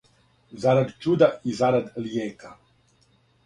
Зарад' чуда и зарад' лијека,